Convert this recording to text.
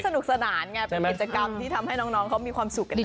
สนุกสนานไงเป็นกิจกรรมที่ทำให้น้องเขามีความสุขกันได้